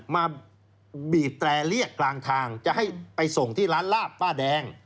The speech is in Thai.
มาบีบแตรเรียกกลางทางจะให้ไปส่งที่ร้านลาบป้าแดง